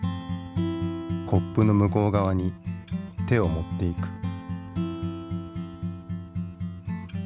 コップの向こう側に手を持っていく。